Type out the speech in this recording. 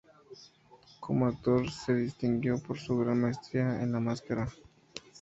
Como actor, se distinguió por su gran maestría en la máscara.